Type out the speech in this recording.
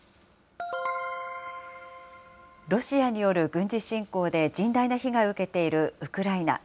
ロシアによる軍事侵攻で甚大な被害を受けているウクライナ。